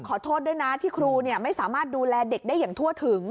ขอโทษด้วยนะที่ครูไม่สามารถดูแลเด็กได้อย่างทั่วถึง